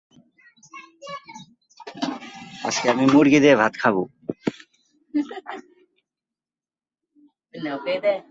এখনও এখানে লোকেরা এসে সেই যুদ্ধে নিহতদের উদ্দেশ্যে সম্মান জানায়।